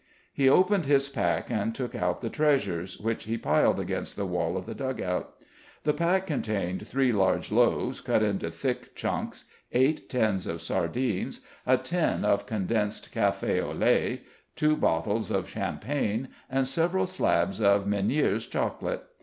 He opened his pack and took out the treasures, which he piled against the wall of the dug out. The pack contained three large loaves, cut into thick chunks, eight tins of sardines, a tin of condensed café au lait, two bottles of champagne and several slabs of Menier's chocolate.